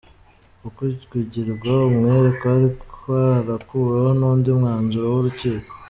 Uku kugirwa umwere kwari kwarakuweho n'undi mwanzuro w'urukiko.